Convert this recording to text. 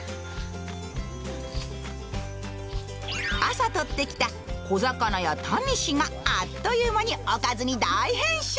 朝取ってきた小魚やタニシがあっという間におかずに大変身！